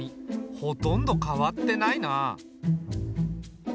ほとんど変わってないな。